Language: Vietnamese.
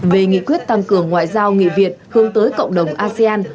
về nghị quyết tăng cường ngoại giao nghị viện hướng tới cộng đồng asean